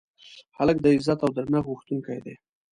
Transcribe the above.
هلک د عزت او درنښت غوښتونکی دی.